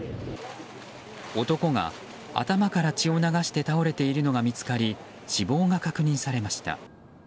男が、頭から血を流して倒れているのが見つかり死亡が確認されました。